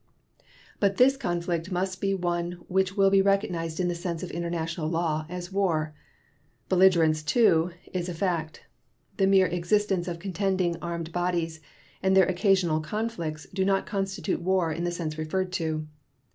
But this conflict must be one which will be recognized in the sense of international law as war. Belligerence, too, is a fact. The mere existence of contending armed bodies and their occasional conflicts do not constitute war in the sense referred to.